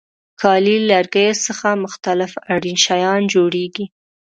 کالي له لرګیو څخه مختلف اړین شیان جوړیږي.